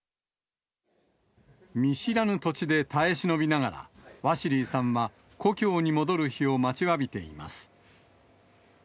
見知らぬ土地で耐え忍びながら、ワシリーさんは故郷に戻る日を待ちわびています。